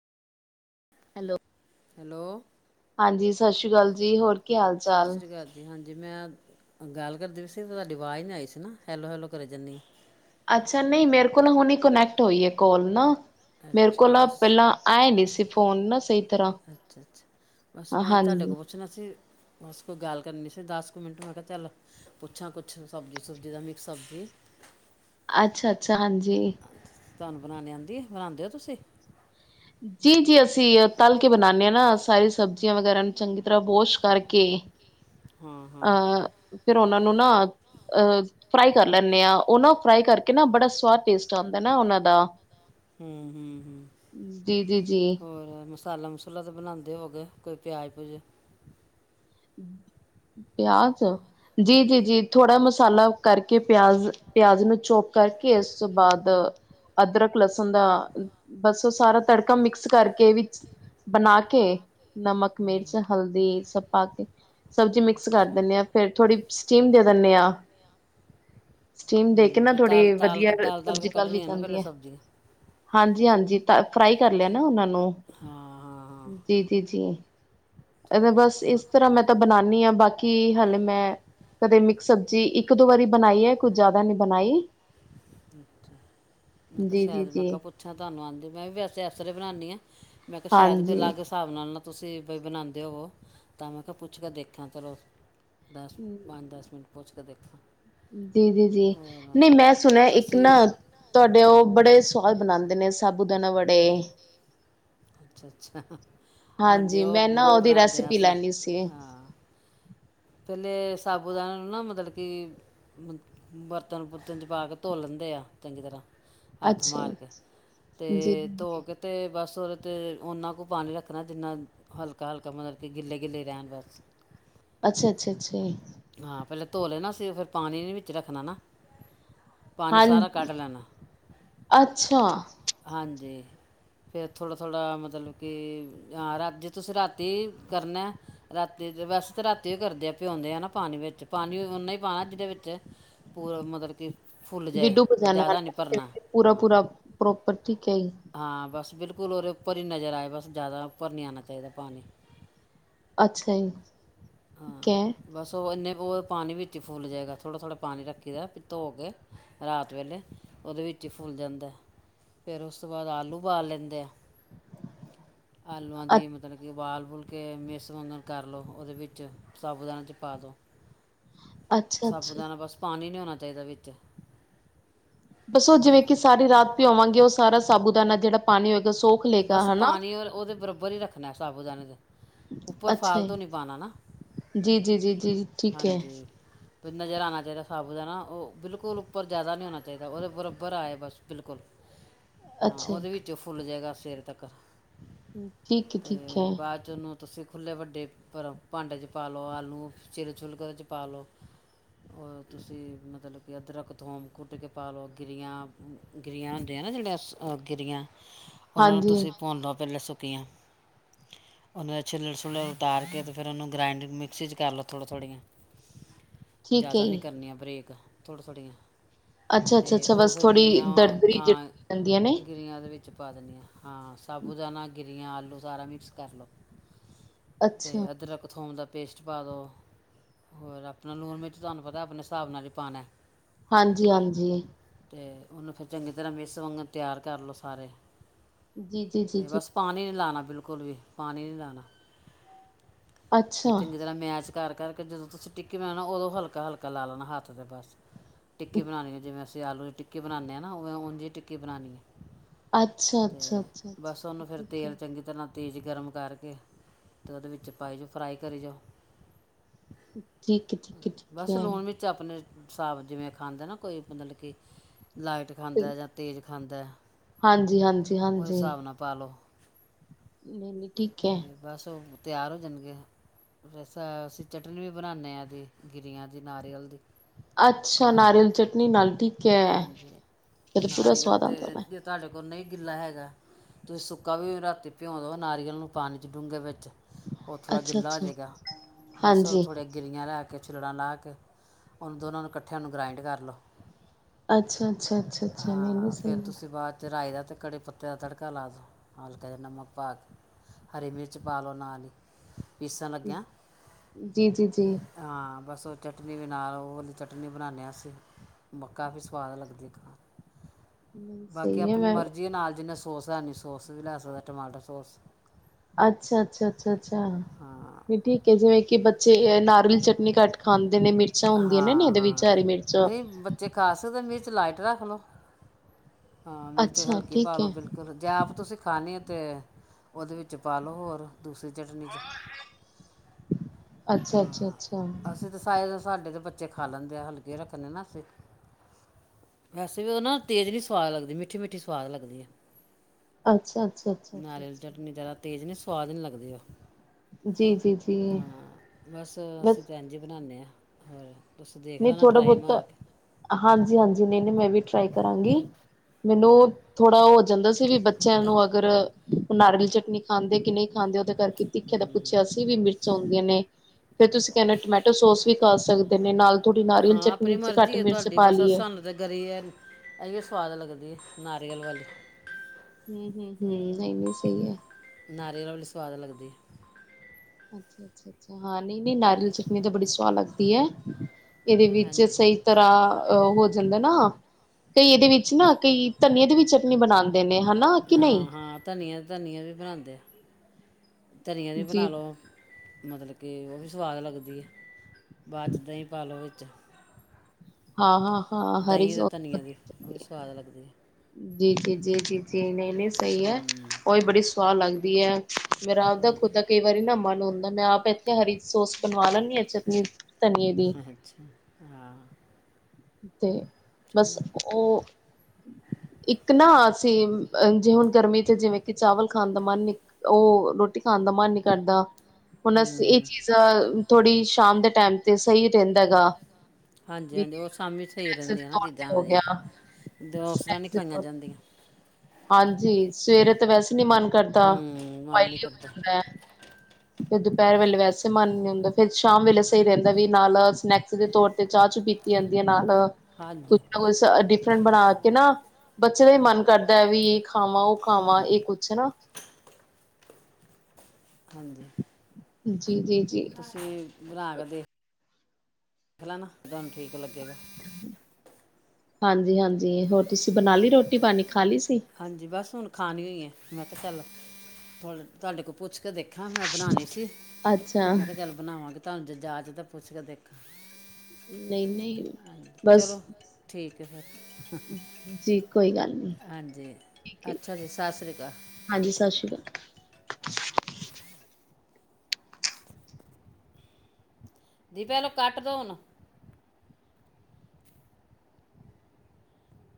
Hello hello ਹਾਂਜੀ, ਸਤਿ ਸ਼੍ਰੀ ਅਕਾਲ ਜੀ ਹੋਰ, ਕੀ ਹਾਲ ਸਤਿ ਚਾਲ ਸ੍ਰੀ ਅਕਾਲ ਜੀ ਹਾਂਜੀ, ਜੇ ਮੈਂ ਗੱਲ ਕਰਦੀ ਵੀ ਸੀ ਤੁਹਾਡੀ ਆਵਾਜ਼ ਨਹੀਂ ਆਈ ਸੀ, ਨਾ ਹੈਲੋ ਹੈਲੋ ਕਰੇ ਜਾਂਨੀ ਐ। ਅੱਛਾ ਨਹੀਂ ਮੇਰੇ ਕੋਲ ਹੁਣੀ ਕੋਨੈਕਟ ਹੋਈ ਹੈ ਕੋਲ ਨਾ, ਮੇਰੇ ਅੱਛਾ ਕੋਲ ਪਹਿਲਾਂ ਆਏ ਨਹੀ ਸੀ। ਫੋਨ ਨਾ ਸਹੀ ਤਰ੍ਹਾਂ ਅੱਛਾ-ਅੱਛਾ, ਬਸ ਮੈਂ ਤੁਹਾਡੇ ਹਾਂਜੀ ਕੋਲ ਪੁੱਛਣਾ ਸੀ ਬਸ ਕੋਈ ਗੱਲ ਕਰਨੀ ਫ ਦਸ ਕੁ ਮਿੰਟ ਮੈਂ ਕਿਹਾ ਚੱਲ ਪੁੱਛਾਂ ਕੁਛ ਸਬਜ਼ੀ ਸੁਬਜ਼ੀ ਦਾ ਮਿਕਸ ਸਬਜ਼ੀ ਅੱਛਾ-ਅੱਛਾ ਹਾਂਜੀ, ਤੁਹਾਨੂੰ ਬਣਾਣੇ ਆਦੀ ਆ ਬਣਾਦੇ ਹੋ ਤੁਸੀਂ? ਜੀ-ਜੀ, ਅਸੀਂ ਤਲ ਕੇ ਬਣਾਨੇ ਹਾਂ ਨਾ ਸਾਰੀ ਸਬਜ਼ੀਆਂ ਵਗੈਰਾ ਨੂੰ ਚੰਗੀ ਤਰ੍ਹਾਂ ਬੋਸ਼ ਕਰਕੇ ਹਾਂ-ਹਾਂ, ਅਹ ਫਿਰ ਉਹਨਾਂ ਨੂੰ ਨਾ, ਅਹ, ਫਰਾਈ ਕਰ ਲੈਂਨੇ ਆ। ਉਹ ਨਾਂ ਫਰਾਈ ਕਰਕੇ ਨਾ, ਬੜਾ ਸਵਾਦ ਟੇਸਟ ਆਂਦਾ ਨਾ ਉਹਨਾਂ ਦਾ। ਹੂੰ ਹੂੰ ਜੀ, ਜੀ, ਜੀ। ਮਸਾਲਾ-ਮਸੂਲਾ ਤਾਂ ਬਣਾਉਂਦੇ ਹੋਗੇ? ਕੋਈ ਪਿਆਜ ਪਿਆਜ, ਜੀ, ਜੀ, ਜੀ, ਥੋੜਾ ਮਸਾਲਾ ਕਰਕੇ। ਪਿਆਜ, ਪਿਆਜ ਨੂੰ ਚੋਪ ਕਰਕੇ, ਉਸ ਤੋਂ ਬਾਅਦ ਅਦਰਕ ਲਸਣ ਦਾ ਬਸ ਉਹ ਸਾਰਾ ਤੜਕਾ ਮਿਕਸ ਕਰਕੇ ਵਿੱਚ ਬਣਾ ਕੇ ਨਮਕ, ਮਿਰਚ, ਹਲਦੀ ਸਭ ਪਾ ਕੇ ਸਬਜ਼ੀ ਮਿਕਸ ਕਰ ਅੱਛਾ ਦਿੰਨੇ ਆ। ਫੇਰ ਥੋੜੀ ਸਟੀਮ ਦੇ ਦਿੰਨੇ ਹਾਂ। ਸਟੀਮ ਦੇ ਕੇ ਹੂੰ ਨਾ ਤਾਲ, ਥੋੜੀ ਤਾਲ, ਵਧੀਆ ਤੱਲ-ਤੱਲ ਕੇ ਸਬਜ਼ੀ ਗਲ ਵੀ ਕੱਢਨੀਂ ਅ ਨਾ ਪਹਿਲੇ ਜਾਂਦੀ ਹੈ ਸਬਜੀ ਹਾਂਜੀ, ਹਾਂਜੀ ਤ ਫਰਾਈ ਕਰ ਲਿਆ ਨਾ ਉਹਨਾਂ ਨੂੰ। ਹਾਂ ਹਾਂ ਜੀ, ਜੀ, ਜੀ, ਤੇ ਇਹ ਬਸ ਹੋਰ ਇਸ ਸਰਾ ਮੈਂ ਤਾਂ ਬਨਾਨੀ ਆ। ਬਾਕੀ ਹੱਲੇ ਮੈਂ ਕਦੇ ਮਿਕਸ ਸਬਜ਼ੀ ਇੱਕ-ਦੋ ਵਾਰੀ ਬਣਾਈ ਏ, ਕੁਜ ਜਾਦਾ ਨੀ ਬਣਾਈ ਜੀ ਜੀ ਸ਼ੈਦ। ਮੈਂ ਜੀ ਕਿਹਾ ਪੁੱਛਾਂ ਤੁਹਾਨੂੰ ਮੈਂ ਵੀ ਵੈਸੇ ਐਸਰੇ ਬਨਾਨੀ ਆ। ਮੈਂ ਕਿਹਾ ਸ਼ੈਦ ਕੋਈ ਹਾਂਜੀ ਅਲੱਗ ਹਿਸਾਬ ਨਾਲ ਨਾ ਤੁਸੀਂ ਬਈ ਬਣਾਂਦੇ ਹੋਵੋ, ਤਾਂ ਮੈਂ ਕਿਹਾ ਪੁੱਛ ਕੇ ਦੇਖਾਂ, ਚਲੋ। ਦਸ, ਪੰਜ-ਦਸ ਮਿੰਟ ਪੁੰਛ ਤੇ ਦੇਖੋ ਜੀ, ਜੀ, ਜੀ, ਨਹੀਂ ਮੈਂ ਸੁਣਿਆ ਇੱਕ ਅਸੀਂ ਨਾ ਤੁਹਾਡੇ ਉਹ ਬੜੇ ਸਵਾਦ ਬਣਾਂਦੇ ਨੇ ਸਾਬੂ ਦਾਨਾ ਵੜੇ ਅੱਛਾ, ਅੱਛਾ, ਹਾਂਜੀ। ਉਹ ਮੈਂ ਨਾ ਉਹਦੀ ਬਣਾਉਦੇ ਰੈਸਿਪੀ ਅਸੀਂ। ਲੈਣੀ ਸੀ ਹਾਂ, ਪਹਿਲੇ ਸਾਬੂ ਦਾਨਾਂ ਨੂੰ ਨਾ, ਮਤਲਬ ਕਿ ਬਰਤਨ-ਬੁਰਤਨ ਚ ਪਾ ਕੇ ਧੋ ਲੈਂਦੇ ਆ ਚੰਗੀ ਤਰ੍ਹਾਂ ਹੱਥ ਅੱਛਾ ਮਾਰ ਕੇ ਸੀ ਜੀ ਤੇ ਜੀ ਧੋ ਕੇ ਤੇ ਬਸ ਉਹਦੇ ਤੇ ਉਹਨਾ ਕੁ ਪਾਣੀ ਰੱਖਣਾ, ਜਿੰਨਾ ਹਲਕਾ-ਹਲਕਾ ਮਤਲਬ ਕਿ ਗਿੱਲੇ-ਗਿੱਲੇ ਰਹਿਣ ਬਸ ਅੱਛਾ, ਅੱਛਾ, ਅੱਛਾ। ਹਾਂ ਪਹਿਲੇ ਧੋ ਲੈਨਾ ਸੀਂ। ਫਿਰ ਪਾਣੀ ਵਿੱਚ ਰੱਖਣਾ ਨਾ। ਪਾਣੀ ਹਾਂ ਸਾਰਾ ਕੱਢ ਲੈਣਾ। ਅੱਛਾ ਹਾਂਜੀ। ਫੇਰ ਥੋੜਾ-ਥੋੜਾ, ਮਤਲਬ ਕਿ ਹਾਂ। ਰਾਤਿ ਤੁਸੀਂ ਰਾਤੀ ਕਰਨਾ, ਰਾਤੀ। ਵੈਸੇ ਤਾਂ ਰਾਤੀ ਹੀ ਕਰਦੇ ਆ, ਪਿਉਂਦੇ ਹੈ ਨਾ ਪਾਣੀ ਵਿੱਚ ਪਾਣੀ, ਉਨਾ ਹੀ ਪਾਣਾ ਜਿਹਦੇ ਵਿੱਚ ਪੂਰਾ ਮਤਲਵ ਕਿ ਫੁੱਲ ਵਿ ਜਾਏ ਡੂਬ ਬ- ਜਾਨ ਨਾ ਜ਼ਿਆਦਾ ਨਹੀਂ ਭਰਨਾ ਹਾਂ ਪੂਰਾ-ਪੂਰਾ ਪ੍ਰੋਪਰ ਕਿ ਹਾਂ। ਬੱਸ ਵਿਲ ਕੂਲ ਔਧੇ ਉੱਪਰ ਹੀ ਨਜ਼ਰ ਆਏ। ਬਸ ਜਾਦਾ ਉਪਰ ਨਹੀਂ ਆਣਾ ਚਾਹੀਦਾ ਪਾਨੀ ਅੱਛਾ ਈ ਹਾਂ ਕੇ ਬਸ ਉਹ ਇੰਨੇ ਉਹ ਪਾਣੀ ਵਿੱਚ ਹੀ ਫੁੱਲ ਜਾਏਗਾ। ਥੋੜਾ-ਥੋੜਾ ਪਾਣੀ ਰੱਖੀ ਦਾ, ਫਿਰ ਧੋ ਕੇ ਰਾਤ ਵੇਲੇ ਔਧੇ ਵਿੱਚ ਹੀ ਫੁੱਲ ਜਾਂਦਾ। ਫਿਰ ਉਸ ਉਸ ਤੋਂ ਬਾਅਦ, ਆਲੂ ਬਾਲ ਲੈਂਦੇ ਆ। ਆਲੂਆਂ ਦੀ ਮਤਲਬ ਕਿ ਵਾਲ ਬੁਲ ਕੇ ਮੇਸ ਨਾ ਕਰ ਲਉ। ਉਹਦੇ ਵਿੱਚ, ਸਾਬੂ ਦਾਣੇ 'ਚ ਪਾ ਦੋ ਅੱਛਾ ਅੱਛਾ ਸਾਬੁ ਦਾਣਾ ਬਸ ਪਾਣੀ ਨੀ ਔਨਾ ਚਾਹੀਦਾ ਵਿੱਚ ਬਸ ਉਹ ਜਿਵੇਂ ਕਿ ਸਾਰੀ ਰਾਤ ਭਿਓਵਾਂਗੇ ਉਹ ਸਾਰਾ ਸਾਬੂ ਦਾਣਾ ਜਿੜਾ ਪਾਣੀ ਹੋਏ ਬਸ ਪਾਣੀ ਉਹਦੇ ਬਰਾਬਰ ਹੀ ਰੱਖਣਾ ਸਾਬੂ ਦਾਣੇ ਦੇ, ਉੱਪਰ ਅੱਛਾ ਫਾਲਤੂ ਨੀ ਪਾਉਣਾ ਨਾ ਜੀ, ਜੀ ਜੀ ਜੀ ਜੀ ਠੀਕ ਹੈ ਹਾਂਜੀ। ਨਜ਼ਰ ਆਣਾ ਚਾਹੀਦਾ ਸਾਬੂ ਦਾਣਾ, ਉਹ ਬਿਲਕੁਲ ਉੱਪਰ ਜ਼ਿਆਦਾ ਨਹੀਂ ਹੋਣਾ ਚਾਹੀਦਾ। ਉਹਦੇ ਬਰਾਬਰ ਆਏ ਬਸ ਬਿਲਕੁਲ ਹਾਂ, ਅੱਛਾ ਜੀ। ਉਹਦੇ ਵਿੱਚੋਂ ਫੁੱਲ ਜਾਏਗਾ। ਫਿਰ ਤੱਕ ਠੀਕ, ਤੇ ਠੀਕ ਹੈ। ਬਾਅਦ 'ਚ ਉਹਨੂੰ ਤੁਸੀਂ ਖੁੱਲੇ ਵੱਡੇ ਪਰ ਭਾਂਡੇ 'ਚ ਪਾ ਲਓ ਆਲੂ ਚਿਰ ਸ਼ਿਲਸ਼ੁਲ ਕਰ ਉਹਦੇ ' ਪਾ ਲਓ। ਹੋਰ ਤੁਸੀਂ ਮਤਲਬ ਕਿ ਅਦਰਕ ਥੋਮ ਕੁੱਟ ਕੇ ਪਾ ਲਓ। ਗਿਰੀਆਂ, ਗਿਰੀਆਂ ਹੁੰਦੀਆਂ ਨਾ ਜਿਹੜੀਆਂ ਗਿਰੀਆਂ ਉਹਨਾ ਨੂੰ ਹਾਂਜੀ ਤੁਸੀਂ ਭੁਣ ਪਹਿਲਾਂ ਸੁੱਕ ਕੀਆ ਉਹਨਾਂ ਦੇ, ਛਿੱਲੜ -ਛੂਲੜ ਉਤਾਰ ਕੇ ਫਿਰ ਉਹਨੂੰ ਗ੍ਰਾਇੰਡ ਮਿਕਸੀ 'ਚ ਕਰ ਲਓ। ਥੋੜ੍ਹ -ਥੋੜ੍ਹੀਆਂ। ਠੀਕ ਹੈ ਜ਼ਿਆਦਾ ਨੀ ਜੀ। ਕਰਨੀਆਂ ਬਰੀਕ। ਥੋੜ -ਥੋੜ੍ਹੀਆਂ ਅੱਛਾ। ਅੱਛਾ। ਅਤੇ ਅੱਛਾ ਉਹ ਬਸ ਫਿਰ ਥੋੜੀ ਗਿਰੀਆਂ ਦਰਦਰੀ ਜੀ ਰਹਿੰਦੀਆਂ ਨੇ। ਚ ਪਾ ਦਿੰਦੇ ਆ। ਹਾਂ, ਸਾਬੂ ਦਾਣਾ, ਗਿਰੀਆਂ, ਆਲੂ ਸਾਰਾ ਮਿਕਸ ਕਰ ਲਉ। ਅੱਛਾ ਤੇ ਅਦਰਕ, ਥੋਮ ਦਾ ਪੇਸਟ ਪਾ ਦਿਉ, ਹੋਰ ਆਪਣਾ ਲੂਣ ਮਿਰਚ ਤੁਹਾਨੂੰ ਪਤਾ ਆਪਣੇ ਹਿਸਾਬ ਨਾਲ ਹੀ ਪਾਉਣਾ। ਹਾਂਜੀ, ਹਾਂਜੀ ਤੇ, ਉਹਨੂੰ ਫਿਰ ਚੰਗੀ ਤਰ੍ਹਾਂ ਮਿਸ ਵਾਂਗਣ ਤਿਆਰ ਕਰ ਲਉ ਸਾਰੇ। ਜੀ ਜੀ ਜੀ ਤੇ, ਜੀ ਬਸ ਪਾਣੀ ਨੀ ਲਾਣਾ। ਬਿਲਕੁਲ ਵੀ ਪਾਣੀ ਨਹੀਂ ਲਾਣਾ। ਤੇ ਅੱਛਾ ਚੰਗੀ ਤਰ੍ਹਾਂ ਮੈਸ਼ ਕਰ ਕਰਕੇ ਜਦੋਂ ਤੁਸੀਂ ਟਿੱਕੀ ਬਨਾਣਾ, ਉਦੋਂ ਹਲਕਾ, ਹਲਕਾ ਲਾ ਲੈਣਾ ਹੱਥ ਤੇ ਬਸ ਟਿੱਕੀ ਬਣਾ ਲੈਣੀ, ਜਿਵੇਂਂ ਅਸ ਤੇ ਆਲੂ ਦੇ ਟਿੱਕੀ ਬਣਾਉਦੇ ਆ ਨਾ, ਓਵੇਂ ਉਂਜ ਟਿੱਕੀ ਬਣਾਣੀ ਏ। ਅੱਾ [unintelligible] ਤੇ ਬਸ ਉਹਨੂੰ ਫਿਰ ਤੇਲ ਚੰਗੀ ਤਰ੍ਹਾਂ ਤੇਜ਼ ਗਰਮ ਕਰਕੇ ਅਤੇ ਉਹਦੇ ਵਿੱਚ ਪਾਈ ਜਾਓ, ਫਰਾਈ ਕਰੀ ਜਾਓ। ਠੀਕ, ਠੀਕ, ਠੀਕ ਹੈ। ਸਾਬ ਜਿਵੇਂ ਖਾਂਦਾ ਨਾ ਕੋਈ ਮਤਲਬ ਕਿ ਲਾਈਟ ਖਾਂਦਾ ਜਾਂ ਤੇਜ਼। ਖਾਂਦਾ ਏ ਹਾਂਜੀ, ਹਾਂਜੀ। ਉਹਦੇ ਹਾਂਜੀ ਹਿਸਾਬ ਨਾਲ ਪਾ ਲੋ। ਨਹੀਂ, ਨਹੀਂ, ਠੀਕ ਹੈ। ਬਸ ਉਹ ਤਿਆਰ ਹੋ ਜਾਣਗੇ, ਵੈਸੇ ਅਸੀਂ ਚਟਨੀ ਵੀ ਬਣਾਉਂਦੇ ਆਂ, ਜੀ ਗਿਰੀਆਂ ਦੀ ਨਾਰੀਅਲ ਦੀ ਅੱਛਾ ਨਾਲ ਨਾਰੀਅਲ ਚਟਨੀ ਨਾਲ ਠੀਕ ਹੈ ਹਾਂਜੀ ਫਿਰ ਪੂਰਾ ਨਾਰੀਅਲ ਸਵਾਦ ਤੇ ਆਉਂਦਾ ਉਹ ਜੇ ਤੁਹਾਡੇ ਕੋਲ ਨਹੀਂ ਗਿੱਲਾ ਹੈਗਾ ਤੁਸੀਂ ਸੁੱਕਾ ਵੀ ਰਾਤੀ ਭਿਆਉਂ ਦਿਓ ਨਾਰੀਅਲ ਨੂੰ ਪਾਣੀ 'ਚ ਡੂੰਘੇ ਵਿੱਚ ਉਹ ਥੋੜ੍ਹਾ ਅੱਛਾ ਗਿੱਲਾ ਅੱਛਾ ਜਗਾਾ ਬਸ ਉਹ ਹਾਂਜੀ ਥੋੜ੍ਹੇ ਗਿੱਰੀਆਂ ਵਾਲਾ ਕੇ ਛਿਲੜਾ ਲਾ ਕੇ ਉਹਨੂੰ ਦੋਨਾਂ ਨੂੰ ਇਕੱਠਿਆਂ ਉਹਨੂੰ ਗਰਾਾਇੰਡ ਕਰ ਲਉ ਅੱਛਾ ਅੱਛਾ ਅੱਛਾ ਅੱਛਾ ਮੈਨੂੰ ਸਹੀ ਆ ਕੜੀ ਪੱਤੇ ਦਾ ਤੜਕਾ ਲਾ ਦਿਉ ਹਲਕਾ ਦੇ ਨਮਕ ਪਾ ਕੇ ਹਰੀ ਮਿਰਚ ਪਾ ਲਓ ਨਾਲ ਹੀ ਪੀਸਾਂ ਲੱਗਿਆ ਜੀ ਜੀ ਜੀ ਹਾਂ ਬਸ ਚਟਨੀ ਵੀ ਨਾਲ ਉਹ ਵਾਲੀ ਚਟਨੀ ਬਣਾਉਦੇ ਹਾਂ ਅਸੀਂ ਕਾਫ਼ੀ ਸਵਾਦ ਲੱਗਦੀ ਖਾਣ ਨਹੀਂ ਸਹੀ ਹੈ ਮੈਂ ਜਨਾ ਸੋਸ ਲ ਸੋਸ ਵੀ ਲੈ ਸਕਦਾ ਟਮਾਟਰ ਸੋਸ ਅੱਛਾ ਅੱਛਾ ਅੱਛਾ ਅੱਛਾ ਹਾਂ ਵੀ ਠੀਕ ਹੈ ਜਿਵੇਂ ਕਿ ਬੱਚੇ ਨਾ ਚਟਨੀ ਘੱਟ ਖਾਂਦੇ ਨੇ ਮਿਰਚਾਂ ਹਾਂ ਹੁੰਦੀਆਂ ਨੇ ਇਹਦੇ ਵਿੱਚ ਹਾਂ ਹਰੀ ਮਿਰਚ ਨਹੀਂ ਬੱਚੇ ਖਾ ਸਕਦੇ ਮਿਰਚ ਲਾਈਟ ਰੱਖ ਲਓ ਹਾਂ ਮਿਰਚ ਅੱਛਾ ਹਲਕੀ ਪਾ ਠੀਕ ਲੋਓ ਹੈ ਬਿਲਕੁਲ ਜੇ ਆਪ ਤੁਸੀਂ ਖਾਂਣੇ ਹੋ ਅਤੇ ਉਹਦੇ ਵਿੱਚ ਪਾ ਲਓ ਹੋਰ ਦੂਸਰੀ ਚਟਨੀ ' ਅੱਛਾ ਅੱਛਾ ਅੱਛਾ ਸਾਰੇ ਸਾਡੇ ਤਾਂ ਬੱਚੇ ਖਾ ਲੈਂਦੇ ਆ ਹਲਕੇ ਰੱਖਣੇ ਨਾ ਅਸੀਂ ਵੈਸੇ ਵੀ ਉਹ ਨਾ ਤੇਜ਼ ਨੀ ਸਵਾਦ ਲੱਗਦੀ ਮਿੱਠੀ ਮਿੱਠੀ ਸਵਾਦ ਲੱਗਦੀ ਆ ਅੱਛਾ ਅੱਛਾ ਅੱਛਾ ਅੱਛ ਅੱਛ ਸੁਆਦ ਨਹੀਂ ਲੱਗਦੇ ਆ ਜੀ ਜੀ ਜੀ ਬਸ ਅਸੀਂ ਤੇ ਬਣਾਉਦੇ ਹਾਂ ਹੋਰ ਤੁਸੀਂ ਦੇਖ ਨਹੀਂ ਲੈਣਾ ਥੋੜਾ ਟਰਾਈ ਬਹੁਤ ਤਾ, ਮਾਰ ਕੇ ਹਾਂਜੀ ਹਾਂਜੀ ਨਹੀਂ ਨਹੀਂ ਮੈਂ ਵੀ ਟ ਕਰਾਂਗੀ ਮੈਨੂੰ ਥੋੜਾ ਹੋ ਜਾਂਦਾ ਕਿਸੇ ਵੀ ਬੱਚਿਆਂ ਨੂੰ ਅਗਰ ਉਹ ਨਾਰੀਅਲ ਚਟਨੀ ਖਾਂਦੇ ਕਿ ਨਹੀਂ ਖਾਂਦੇ ਉਹਦੇ ਕਰਕੇ ਤਖਿਆ ਦਾ ਪੁੱਛਿਆ ਸੀ ਵੀ ਮਿਰਚ ਆਉਂ ਦੀਆਂ ਨੇ ਫੇ ਤੁਂ ਕਹਿੰਦੇ ਟਮੈਟੋ ਸੋਸ ਵਿੱਚ ਖਾ ਸਕਦੇ ਨੇ ਨਾਲ ਹਾਂ ਆਪਣੀ ਚ ਘੱਟ ਮਰਜ਼ੀ ਮਿਰਚ ਤੁਹਾਡੀ ਪਾ ਬਸ ਲਈਏ ਸਾਨੂੰ ਤੇ ਗਰੀ ਹੈ ਇ ਸਵਾਦ ਲੱਗਦੀ ਨਾਰੀਅਲ ਵਾਲੀਆ ਹਮ ਹਮ ਹਮ ਨਹੀਂ ਨਹੀਂ ਸਹੀ ਹੈ ਨਾਰੀਅਲ ਵਾਲੀ ਸਵਾਦ ਲੱਗਦੀ ਅੱਛਾ ਅੱਛਾ ਅੱਛਾ ਹਾਂ ਨਹੀਂ ਨਹੀਂ ਨਾਰੀਅਲ ਚਟਨੀ ਤਾਂ ਬੜੀ ਸੁਆੱਦ ਲੱਗਦੀ ਹੈ ਇਹਦੇ ਵਿੱਚ ਹਾਂਜੀ ਸਹੀ ਤਰਾਂ ਉਹ ਜਾਂਦਾ ਨਾ ਕਈ ਇਹਦੇ ਵਿੱਚ ਨਾ ਕਈ ਧਨੀਏ ਦੀ ਵੀ ਚਟਨੀਂ ਬਣਾ ਹਾਂ ਹਾਂ ਧਨੀਆ ਤੇ ਧਨੀਆ ਵੀ ਬਣਾਂਦੇ ਆ ਧਨੀਆਂ ਦੀ ਬਣਾ ਜੀ ਲਓ ਮਤਲਬ ਕਿ ਉਹ ਵੀ ਸਵਾਦ ਲੱਗਦੀ ਹੈ ਬਾਅਦ 'ਚ ਦਹੀਂ ਪਾ ਲਓ ਵਿੱਚ ਹਾਂ ਹਾਂ ਹਾਂ ਹਰੀ ਦਹੀਂ ਦਾ ਸੋਸ ਧਨੀਆ ਦੀ ਵਧੀਆ ਚੱਲਦੀ ਉਹ ਹੈ। ਵੀ ਸਵਾਦ ਲੱਗਦੀ ਹੈ ਜੀ ਜੀ ਜੀ ਜੀ ਜੀ ਨਹੀਂ ਸਹੀ ਹੂੰ ਹੈ ਉਹ ਹੀ ਬੜੀ ਸੁਆਦ ਲੱਗਦੀ [unintelligible] ਮੇਰਾ ਆਪਦਾ ਹਾਂਜੀ ਖੁਦ ਦਾ ਕਈ ਵਾਰੀ ਨਾ ਮਨ ਹੁੰਦਾ ਮੈਂ ਆਪ ਇੱਥੇ ਹਰੀ ਸੋਸ ਬਣਵਾ ਲੈਣੀ ਆ ਆ ਚਟਨੀਂ ਅੱਛਾ ਹਾਂ ਤੇ ਬਸ ਚਲੋ ਉਹ ਇੱਕ ਨਾ ਅਸੀਂ ਅ ਜੇ ਹੁਣ ਗਰਮੀ ਚ ਜਿਵੇਂ ਕਿ ਚਾਵਲ ਖਾਂਦੇ ਦਾ ਮਨ ਨੀ ਉਹ ਰੋਟੀ ਖਾਣ ਦਾ ਮਨ ਨੀ ਕਰਦਾ ਹੁਣ ਅ ਹੂੰ ਇਹ ਹੂੰ ਚੀਜ਼ ਥੋੜੀ ਸ਼ਾਮ ਦੇ ਟਾਈਮ ਤੇ ਸਹੀ ਰਹਿੰਦਾ ਗਾ ਹਾਂਜੀ ਵੀ ਹਾਂਜੀ ਉਹ ਸ਼ਾਮੀ ਸਹੀ ਸਨੈਕਸ ਦੇ ਰਹਿੰਦੀ ਆ ਨਾ ਤੌਰ ਚੀਜ਼ਾਂ ਤੇ ਹੋ ਹਰੀ ਗਿਆ [unintelligible] ਤਾਂ ਵੀ ਸਨੈਕਸ ਦੇ ਖਾਈਆਂ ਤੌਰ ਤੇ ਜਾਂਦੀਆਂ ਹਾਂਜੀ ਸਵੇਰੇ ਤੇ ਵੈਸੇ ਨਹੀਂ ਮਨ ਕਰਦਾ ਹੂੰ ਮਨ ਆਇਲੀ ਨਹੀਂ ਹੋ ਕਰਦਾ ਜਾਂਦਾ ਹੈ ਫਿਰ ਦੁਪਹਿਰ ਵੇਲੇ ਵੈਸੇ ਮਨ ਨੀ ਹੁੰਦਾ ਫਿਰ ਸ਼ਾਮ ਵੇਲੇ ਸਹੀ ਰਹਿੰਦਾ ਵੀ ਨਾਲ ਸਨੈਕਸ ਦੇ ਤੌਰ ਤੇ ਚਾਹ ਚੂ ਪੀਤੀ ਜਾਂਦੀ ਹੈ ਨਾਲ ਹਾਂਜੀ ਕੁਛ ਨਾ ਕੁਛ ਡਿਫਰੈਂਟ ਬਣਾ ਕੇ ਨਾ ਬੱਚੇ ਦਾ ਹੀ ਮਨ ਕਰਦਾ ਦਾ ਵੀ ਇਹ ਖਾਵਾਂ ਉਹ ਖਾਵਾਂ ਇਹ ਕੁਛ ਨਾ ਹਾਂਜੀ ਹਾਂਜੀ ਜੀ ਜੀ ਜੀ ਤੁਸੀਂ ਬਣਾ ਕੇ ਦੇਖ ਦੇਖ ਲੈ ਨਾ ਤੁਹਾਨੂੰ ਠੀਕ ਲੱਗੇਗਾ ਹਾਂਜੀ ਹਾਂਜੀ ਹੋਰ ਤੁਸੀਂ ਬਣਾ ਲਈ ਰੋਟੀ ਪਾਣੀ ਖਾ ਲਈ ਸੀ ਹਾਂਜੀ ਬਸ ਹੁਣ ਖਾਣੀ ਹੀ ਏ ਮੈਂ ਕਿਹਾ ਚੱਲ ਤੁਹਾ ਤੁਹਾਡੇ ਕੋਲ ਪੁੱਛ ਕੇ ਦੇਖਾਂ ਮੈਂ ਬਣਾਉਣੀ ਸੀ ਅੱਛਾ ਮੈਂ ਕਿਹਾ ਚੱਲ ਬਣਾਵਾਂਗੇ ਤੁਹਾਨੂੰ ਤੇ ਜਾਚ ਤਾਂ ਪੁੱਛ ਕੇ ਦੇਖ ਨਹੀਂ ਨਹੀਂ ਹਾਂ ਬਸ ਚਲੋ ਠੀਕ। ਕਿ [unintelligible] ਜੀ ਕੋਈ ਗੱਲ ਨਹੀ ਹਾਂਜੀ ਠੀਕ ਹੈ ਜੀ ਅੱਛਾ ਸਤਿ ਸ੍ਰੀ ਅਕਾਲ ਹਾਂਜੀ ਸਤਿ ਸ਼੍ਰੀ ਅਕਾਲ ਦੀਪ ਆਲੋ ਕੱਟ ਤੋਂ ਹੁਣ। [unintelligible]